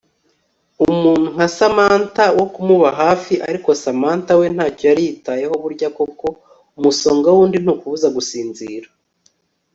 umuntu nka Samantha wo kumuba hafi ariko Samantha we ntacyo yari yitayeho burya koko umusonga wundi ntukubuza gusinzira